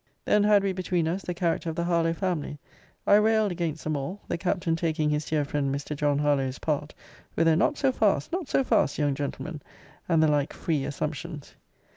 Then had we between us the character of the Harlowe family; I railed against them all; the Captain taking his dear friend Mr. John Harlowe's part; with a Not so fast! not so fast, young gentleman! and the like free assumptions.